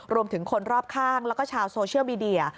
รวมถึงคนรอบข้างแล้วก็ชาวโซเชียลมีเดีย